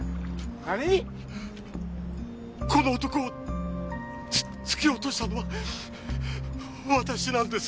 この男をつ突き落としたのは私なんです。